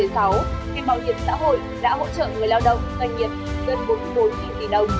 khi bảo hiểm xã hội đã hỗ trợ người lao động doanh nghiệp gần bốn tỷ đồng